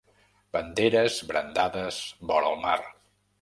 Banderes brandades vora el mar.